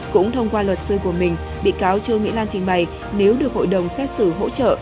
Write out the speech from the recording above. cũng thông qua luật sư của mình bị cáo trương mỹ lan trình bày nếu được hội đồng xét xử hỗ trợ